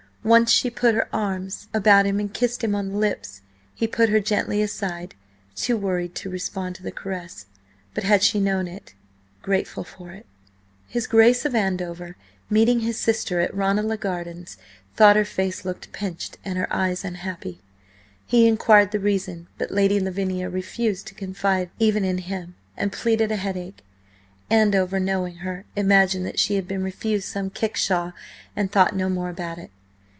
Once she put her arms about him and kissed him on the lips; he put her gently aside, too worried to respond to the caress, but, had she known it–grateful for it. His Grace of Andover meeting his sister at Ranelagh Gardens, thought her face looked pinched, and her eyes unhappy. He inquired the reason, but Lady Lavinia refused to confide even in him, and pleaded a headache. Andover, knowing her, imagined that she had been refused some kickshaw, and thought no more about it.